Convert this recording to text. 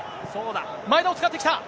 前田を使ってきた。